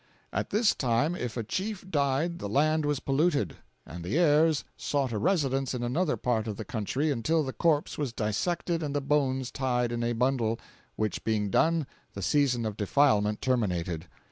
At this time if a chief died the land was polluted, and the heirs sought a residence in another part of the country until the corpse was dissected and the bones tied in a bundle, which being done, the season of defilement terminated.